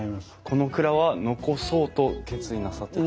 この蔵は残そうと決意なさってたんですか？